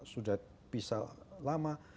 ada sudah pisah lama